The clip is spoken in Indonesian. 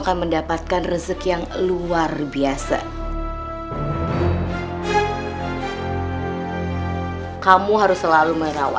kalo aku harus berusaha berusaha berusaha berkuta